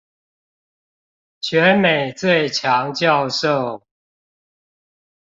全美最強教授